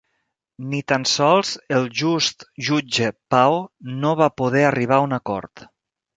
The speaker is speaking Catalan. Ni tan sols el just jutge Pao no va poder arribar a un acord.